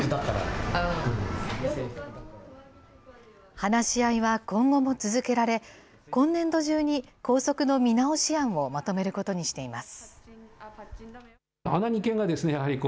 話し合いは今後も続けられ、今年度中に校則の見直し案をまとめることにしています。